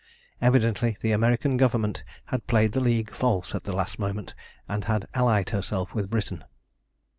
Evidently the American Government had played the League false at the last moment, and had allied herself with Britain.